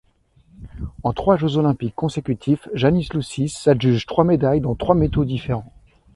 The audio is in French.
En trois Jeux olympiques consécutifs, Jānis Lūsis s'adjuge trois médailles dans trois métaux différents.